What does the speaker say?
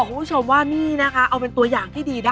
ไม่จะบอกว่าเมนูที่ร้านของเขาเนี่ยนะ